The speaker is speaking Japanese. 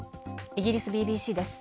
イギリスＢＢＣです。